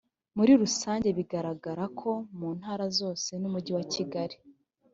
muri rusange biragaragara ko mu ntara zose n umujyi wa kigali